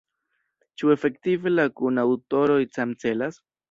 Ĉu efektive la kunaŭtoroj samcelas?